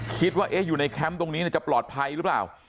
คิดว่าอยู่ในแคมป์ตรงนี้จะปลอดภัยหรือเปล่า